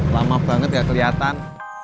lama banget gak keliatan